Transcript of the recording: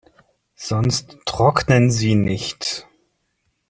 Sonst trocknen sie nicht.